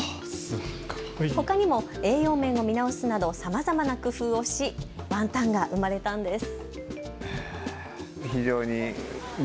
ほかにも栄養面を見直すなどさまざまな工夫をしワンタンが生まれたんです。